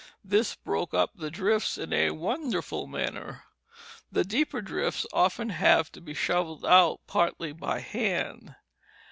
This broke up the drifts in a wonderful manner. The deeper drifts often have to be shovelled out partly by hand.